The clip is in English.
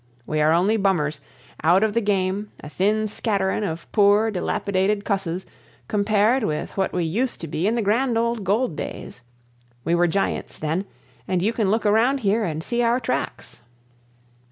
We are only bummers—out of the game, a thin scatterin' of poor, dilapidated cusses, compared with what we used to be in the grand old gold days. We were giants then, and you can look around here and see our tracks."